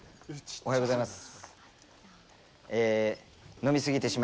おはようございます。